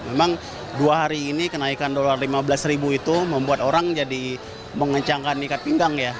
memang dua hari ini kenaikan dolar lima belas ribu itu membuat orang jadi mengencangkan ikat pinggang ya